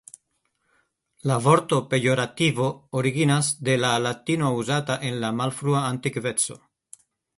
La vorto "pejorativo" originas de la latino uzata en la Malfrua Antikveco.